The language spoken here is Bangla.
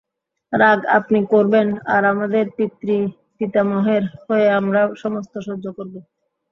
রাগ আপনি করবেন–আর আমাদের পিতৃপিতামহের হয়ে আমরা সমস্ত সহ্য করব!